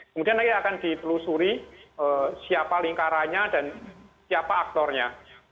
kemudian nanti akan ditelusuri siapa lingkarannya dan siapa aktornya